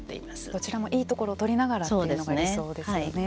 どちらもいいところを取りながらというのが理想ですよね。